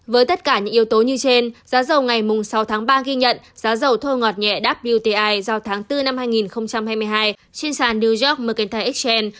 với tất cả những yếu tố như trên giá dầu ngày mùng sáu tháng ba ghi nhận giá dầu thô ngọt nhẹ wti do tháng bốn năm hai nghìn hai mươi hai trên sàn new york mercantile exchange